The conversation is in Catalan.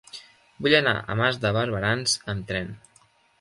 Vull anar a Mas de Barberans amb tren.